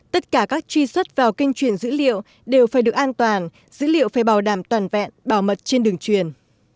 tất cả các truy xuất vào kênh truyền dữ liệu đều phải được an toàn dữ liệu phải bảo đảm toàn vẹn bảo mật trên đường truyền